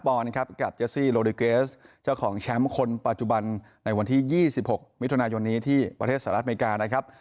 กับเจสซี่โลดิเกสเจ้าของแชมป์คนปัจจุบันในวันที่๒๖มิถุนายนนี้ที่ประเทศสหรัฐอเมริกานะครับ